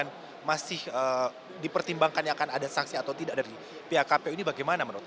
yang masih dipertimbangkan yang akan ada sanksi atau tidak dari pihak kpu ini bagaimana menurut anda